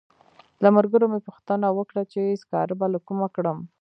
له ملګرو مې پوښتنه وکړه چې سکاره به له کومه کړم.